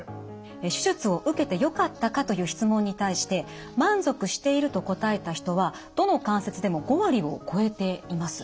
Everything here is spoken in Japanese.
「手術を受けてよかったか？」という質問に対して「満足している」と答えた人はどの関節でも５割を超えています。